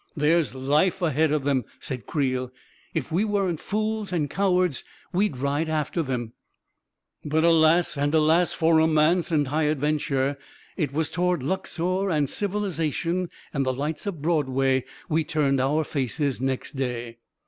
14 There's life ahead of them I " said Creel. " If we weren't fools and cowards, we'd ride after them .•. But alas and alas for romance and high adven ture ! it was toward Luxor and civilization and the lights of Broadway we turned our faces next day.